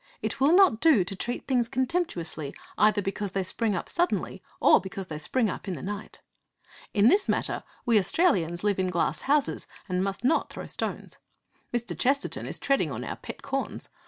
It will not do to treat things contemptuously either because they spring up suddenly, or because they spring up in the night. In this matter we Australians live in glass houses and must not throw stones. Mr. Chesterton is treading on our pet corns.